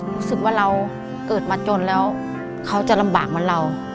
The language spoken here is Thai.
รู้สึกว่าเราเกิดมาจนแล้วเขาจะลำบากเหมือนเรา